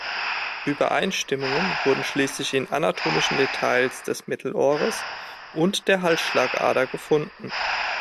Übereinstimmungen wurden schließlich in anatomischen Details des Mittelohres und der Halsschlagader gefunden.